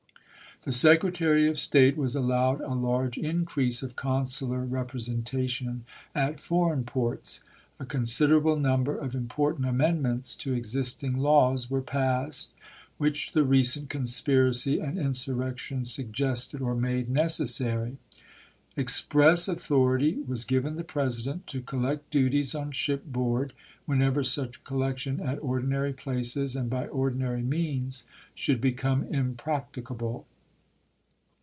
The Secretary of State was allowed a large increase of consular representation at foreign ports. A considerable number of im portant amendments to existing laws were passed, which the recent conspiracy and insurrection sug gested or made necessary. Express authority was Appendix, given the President to collect duties on shipboard, juiy°and wheucver such collection at ordinarv places and bv Aug., 1861, ,. Till .."^ p. 23. ordmary means should become impracticable.